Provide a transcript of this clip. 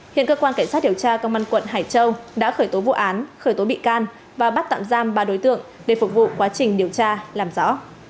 hiện cơ quan cảnh sát điều tra công an quận hải châu đã khởi tố vụ án khởi tố bị can và bắt tạm giam ba đối tượng để phục vụ quá trình điều tra làm rõ